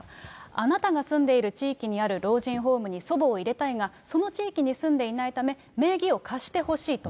あなたが住んでいる地域にある老人ホームに祖母を入れたいが、その地域に住んでいないため、名義を貸してほしいと。